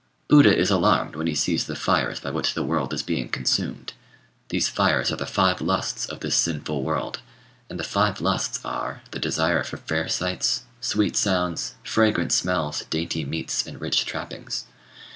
Buddha is alarmed when he sees the fires by which the world is being consumed. These fires are the five lusts of this sinful world; and the five lusts are, the desire for fair sights, sweet sounds, fragrant smells, dainty meats, and rich trappings.